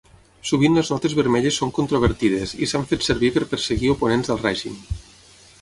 Sovint les notes vermelles són controvertides i s'han fet servir per perseguir oponents del règim.